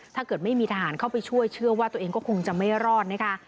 ถ้าเกิดไม่มีทหารเข้าไปช่วยเชื่อว่าตัวเองก็คงจะไม่รอดนะคะ